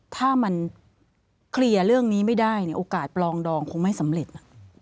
ถ้ามันเคลียร์เรื่องนี้ไม่ได้เนี่ยโอกาสปลองดองคงไม่สำเร็จ